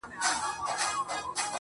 په ځان وهلو باندي ډېر ستړی سو، شعر ليکي